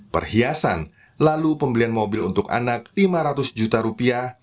perhiasan lalu pembelian mobil untuk anak lima ratus juta rupiah